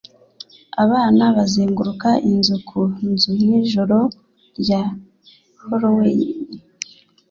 Abana bazenguruka inzu ku nzu nijoro rya Halloween.